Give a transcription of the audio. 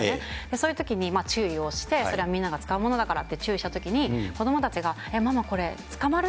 そういうときに注意をして、それはみんなが使うものだからって注意したときに、子どもたちが、ママこれ、捕まる？